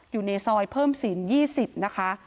อยู่ในซอยเพิ่มศีล๒๐นะคะ